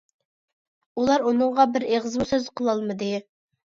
ئۇلار ئۇنىڭغا بىر ئېغىزمۇ سۆز قىلالمىدى.